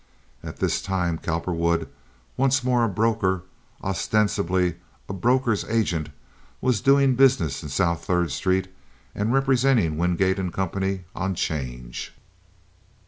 At this time Cowperwood, once more a broker—ostensibly a broker's agent—was doing business in South Third Street, and representing Wingate & Co. on 'change.